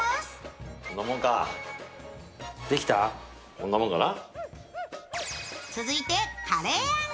こんなもんかな。